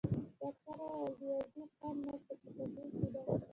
ډاکټر وویل: د وضعې خوند نشته، په تکلیف کې ده.